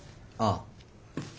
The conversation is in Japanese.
ああ。